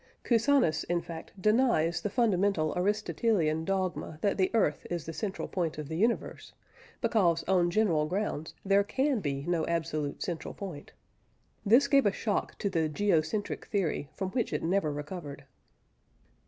Cusanus, in fact, denies the fundamental Aristotelian dogma that the earth is the central point of the universe, because, on general grounds, there can be no absolute central point. This gave a shock to the "geocentric theory" from which it never recovered.